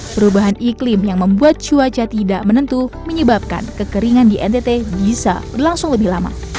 perubahan iklim yang membuat cuaca tidak menentu menyebabkan kekeringan di ntt bisa berlangsung lebih lama